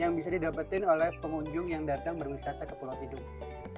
yang bisa didapetin oleh pengunjung yang datang berwisata ke pulau tidung